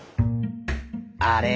あれ？